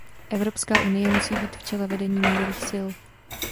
Evropská unie musí být v čele vedení mírových síl.